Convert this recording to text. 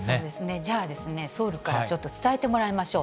じゃあ、ソウルからちょっと伝えてもらいましょう。